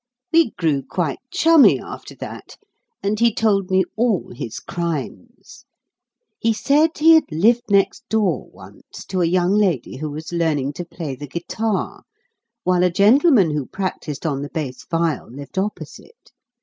We grew quite chummy after that, and he told me all his crimes. He said he had lived next door once to a young lady who was learning to play the guitar, while a gentleman who practised on the bass viol lived opposite.